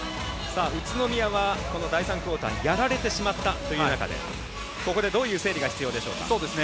宇都宮はこの第３クオーターやられてしまったという中でここで、どういう整理が必要でしょうか？